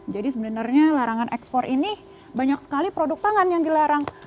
jadi sebenarnya larangan ekspor ini banyak sekali produk pangan yang dilarang